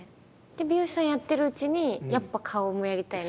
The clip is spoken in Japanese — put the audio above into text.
美容師さんやってるうちにやっぱ顔もやりたいなって？